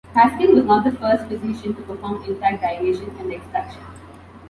Haskell was not the first physician to perform intact dilation and extraction.